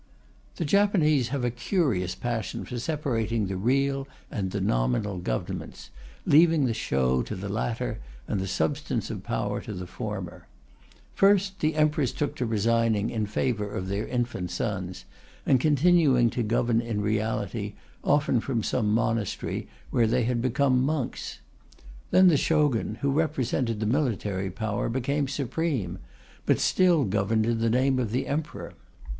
The Japanese have a curious passion for separating the real and the nominal Governments, leaving the show to the latter and the substance of power to the former. First the Emperors took to resigning in favour of their infant sons, and continuing to govern in reality, often from some monastery, where they had become monks. Then the Shogun, who represented the military power, became supreme, but still governed in the name of the Emperor.